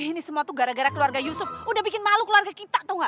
ini semua tuh gara gara keluarga yusuf udah bikin malu keluarga kita tuh gak